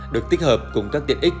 được tích hợp cùng các tiện ích